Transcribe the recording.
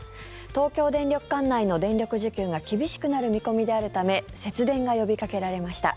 東京電力管内の電力需給が厳しくなる見込みであるため節電が呼びかけられました。